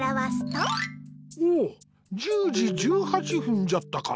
おおっ１０時１８分じゃったか。